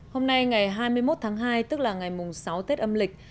hôm nay ngày hai mươi một tháng hai tức là ngày sáu tết âm lịch